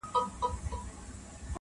ایبنه دي نه کړمه بنګړی دي نه کړم,